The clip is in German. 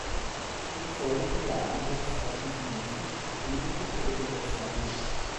In den folgenden Jahren wuchs auf diesen Inseln eine üppige Vegetation.